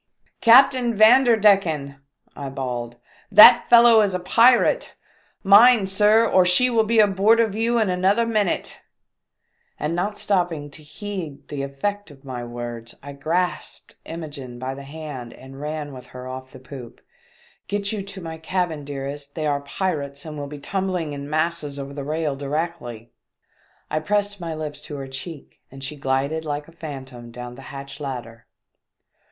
"Captain Vanderdecken!" I bawled, "that fellow is a pirate ! Mind, sir, or she will be aboard of you in another minute !" And not stopping to heed the effect of my words, I grasped Imogene by the hand and ran with her off the poop. "Get you to my cabin, dearest, they are pirates and will be tumbling in masses over the rail directly." I pressed my lips to her cheek and she glided like a phantom down the hatch ladder.